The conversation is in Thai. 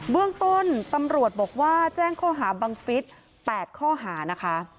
เบื้องต้นตำรวจบอกว่าแจ้งข้อหาบังฟิศ๘ข้อหานะคะ